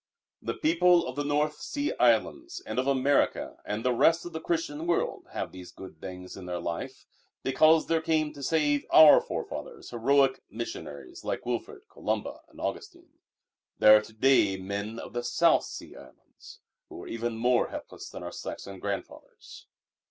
The people of the North Sea Islands and of America and the rest of the Christian world have these good things in their life because there came to save our forefathers heroic missionaries like Wilfrid, Columba, and Augustine. There are to day men of the South Sea Islands, who are even more helpless than our Saxon grandfathers.